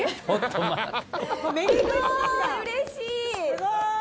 すごい。